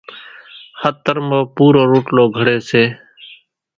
ۿترمون پُورو روٽلو گھڙي سي